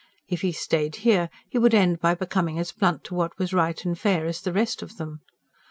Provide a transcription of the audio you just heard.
If he stayed here, he would end by becoming as blunt to what was right and fair as the rest of them.